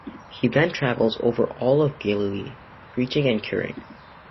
He then travels over all of Galilee, preaching and curing.